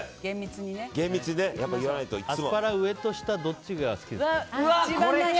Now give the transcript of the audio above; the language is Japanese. アスパラ、上と下どっちが好きですか？